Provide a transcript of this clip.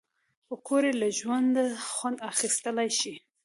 پکورې له ژونده خوند اخیستل ښيي